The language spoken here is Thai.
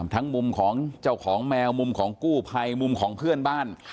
มุมของเจ้าของแมวมุมของกู้ภัยมุมของเพื่อนบ้าน